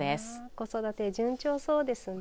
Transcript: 子育て順調そうですね。